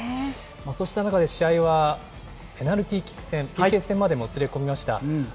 そうした中で試合はペナルティーキック戦、ＰＫ戦までもつれ込みました。